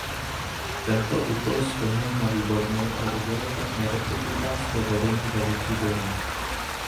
Tento úkol splnil na výbornou a udělal tak na republikánské vedení veliký dojem.